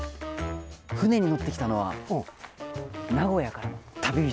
船にのってきたのは名古屋からの旅人。